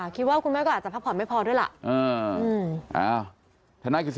คุณแม่ก็อาจจะพักผ่อนไม่พอด้วยล่ะ